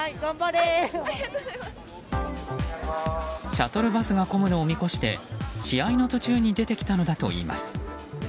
シャトルバスが混むのを見越して試合の途中に出てきたのだといいます。